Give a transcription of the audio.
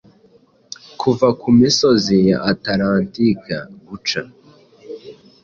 Kuva kumisozi ya Atalantika guca